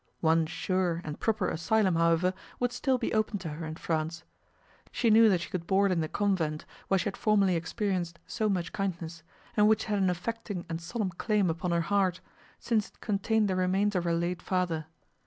One sure, and proper asylum, however, would still be open to her in France. She knew that she could board in the convent, where she had formerly experienced so much kindness, and which had an affecting and solemn claim upon her heart, since it contained the remains of her late father.